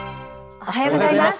おはようございます。